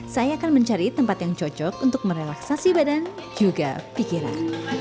saya akan mencari tempat yang cocok untuk merelaksasi badan juga pikiran